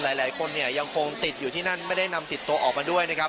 หลายคนเนี่ยยังคงติดอยู่ที่นั่นไม่ได้นำติดตัวออกมาด้วยนะครับ